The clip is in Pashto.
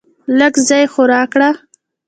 لږ ځای خو راکړه .